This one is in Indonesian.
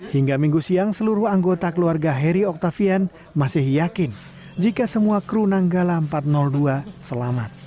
hingga minggu siang seluruh anggota keluarga heri oktavian masih yakin jika semua kru nanggala empat ratus dua selamat